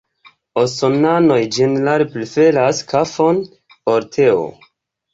Usonanoj ĝenerale preferas kafon ol teo.